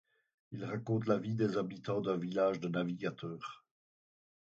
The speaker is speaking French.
Il raconte la vie des habitants d'un village de navigateurs.